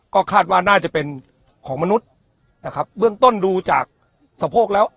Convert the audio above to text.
ก็คาดว่าน่าจะเป็นของมนุษย์นะครับเบื้องต้นดูจากสะโพกแล้ว